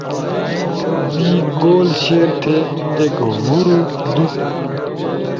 می گول شیئر تھے، ایک، ہورو، دُو